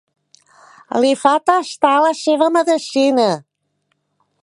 Li fa tastar la seva medecina.